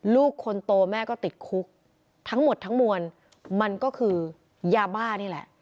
ลูกคนโตแม่ก็ติดคุกทั้งหมดทั้งมวลมันก็คือยาบ้านี่แหละ